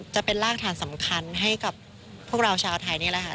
จะเป็นรากฐานสำคัญให้กับพวกเราชาวไทยนี่แหละค่ะ